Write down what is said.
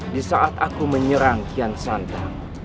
di saat aku menyerang kian santa